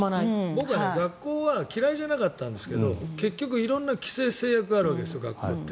僕は学校は嫌いじゃなかったんですけど結局色んな規制、制約があるわけですよ、学校って。